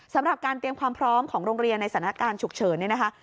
สำหรับการเตรียมความพร้อมของโรงเรียนในสถานการณ์ฉุกเฉินเนี่ยนะคะ